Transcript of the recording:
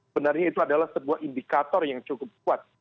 benarnya itu adalah sebuah indikator yang cukup kuat